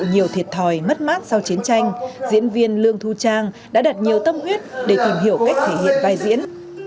trong nhiều thiệt thòi mất mát sau chiến tranh diễn viên lương thu trang đã đặt nhiều tâm huyết để tìm hiểu cách thể hiện vai diễn